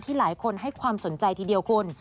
หลายคนให้ความสนใจทีเดียวคุณ